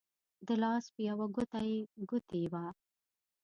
د لاس په يوه ګوته يې ګوتې وه